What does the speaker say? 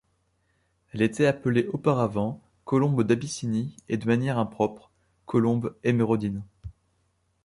Elle était appelée auparavant Colombe d'Abyssinie et de manière impropre Colombe émeraudine.